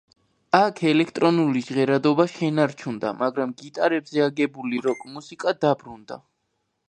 აქ ელექტრონული ჟღერადობა შენარჩუნდა, მაგრამ გიტარებზე აგებული როკ-მუსიკა დაბრუნდა.